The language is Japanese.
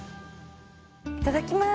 いただきます。